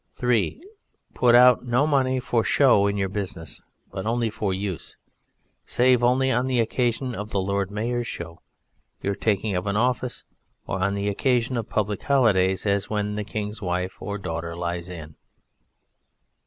3. Put out no money for show in your business but only for use, save only on the occasion of the Lord Mayor's Show, your taking of an office, or on the occasion of public holidays, as, when the King's wife or daughter lies in.